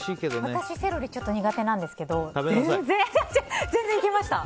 私、セロリちょっと苦手なんですけど全然いけました。